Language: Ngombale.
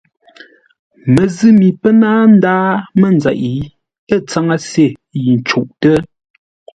Məzʉ̂ mi pə́ náa ndáa mənzeʼ, ə̂ tsáŋə́se yi ncûʼtə́.